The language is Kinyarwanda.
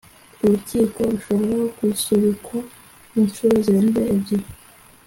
urukiko rushobora gusubikwa inshuro zirenze ebyiri